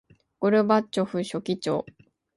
ゴルバチョフ書記長